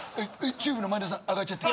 ＴＵＢＥの前田さん上がっちゃって。